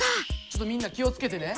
ちょっとみんな気を付けてね。